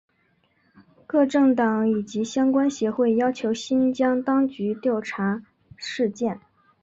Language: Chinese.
各政党以及相关协会要求新疆当局调查事件。